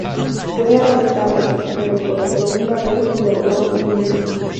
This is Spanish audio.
Fue arrestado, pero por segunda vez logró huir.